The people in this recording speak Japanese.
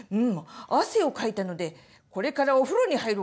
汗をかいたのでこれからお風呂に入ろう。